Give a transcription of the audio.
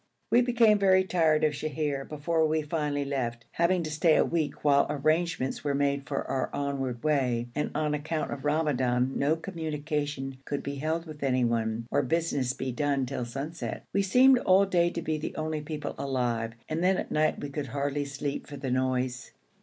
We became very tired of Sheher before we finally left, having to stay a week, while arrangements were made for our onward way, and on account of Ramadan no communications could be held with anyone, or business be done till sunset. We seemed all day to be the only people alive, and then at night we could hardly sleep for the noise.